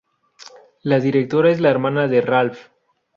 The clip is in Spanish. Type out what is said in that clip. La directora es la hermana de Ralph.